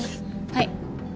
はい。